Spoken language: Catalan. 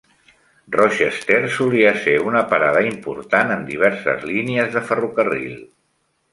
Rochester solia ser una parada important en diverses línies de ferrocarril.